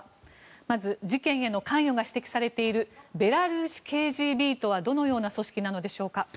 まず、事件への関与が指摘されているベラルーシＫＧＢとはどのような組織なのでしょうか。